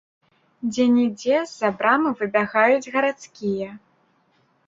Дзе-нідзе з-за брамы выбягаюць гарадскія.